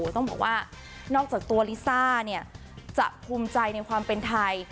ต้องบอกว่านอกจากตัวลิซ่าเนี่ยจะภูมิใจในความเป็นไทย